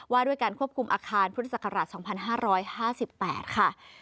ว่าด้วยการควบคุมอาคารพุทธศักราช๒๕๕๘ค่ะ